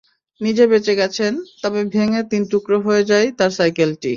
নিজে বেঁচে গেছেন, তবে ভেঙে তিন টুকরো হয়ে যায় তাঁর সাইকেলটি।